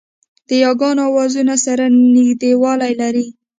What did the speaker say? د یاګانو آوازونه سره نږدېوالی لري